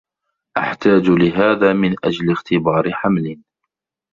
أحتاج لهذا من أجل اختبار حمل.